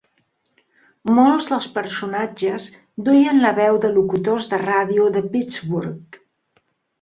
Molts dels personatges duien la veu de locutors de ràdio de Pittsburgh.